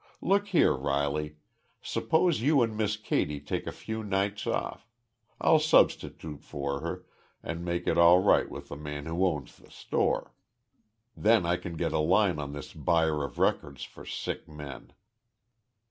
Look here, Riley suppose you and Miss Katy take a few nights off I'll substitute for her and make it all right with the man who owns the store. Then I can get a line on this buyer of records for sick men."